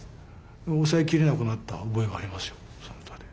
抑えきれなくなった覚えがありますよ。